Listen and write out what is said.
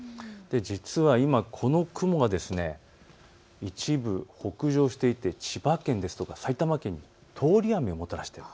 実は今、この雲が一部、北上していて千葉県や埼玉県に通り雨をもたらしている。